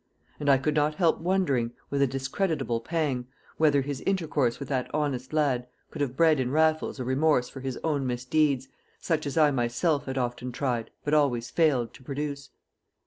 And I could not help wondering, with a discreditable pang, whether his intercourse with that honest lad could have bred in Raffles a remorse for his own misdeeds, such as I myself had often tried, but always failed, to produce.